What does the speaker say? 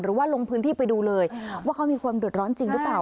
ลงพื้นที่ไปดูเลยว่าเขามีความเดือดร้อนจริงหรือเปล่า